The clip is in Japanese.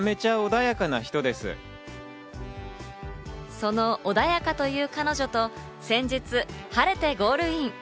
その穏やかという彼女と、先日、晴れてゴールイン。